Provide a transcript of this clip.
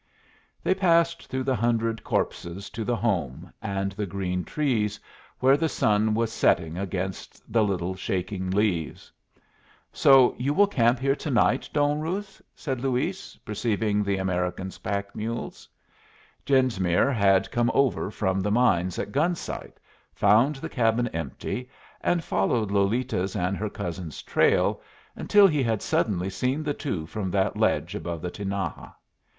They passed through the hundred corpses to the home and the green trees, where the sun was setting against the little shaking leaves. "So you will camp here to night, Don Ruz?" said Luis, perceiving the American's pack mules. Genesmere had come over from the mines at Gun Sight, found the cabin empty, and followed Lolita's and her cousin's trail, until he had suddenly seen the two from that ledge above the Tinaja.